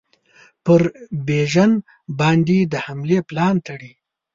پر بیژن باندي د حملې پلان تړي.